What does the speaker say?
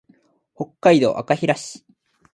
北海道赤平市